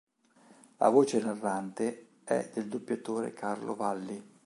La voce narrante è del doppiatore Carlo Valli.